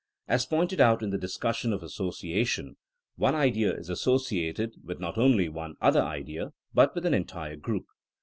As pointed out in the discussion of association, one idea is associated with not only one other idea but with an entire group.